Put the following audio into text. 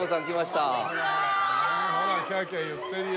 ほらキャーキャー言ってるよ。